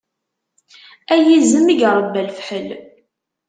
A yizem i iṛebba lefḥel!